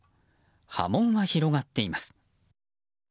波紋が広がっています。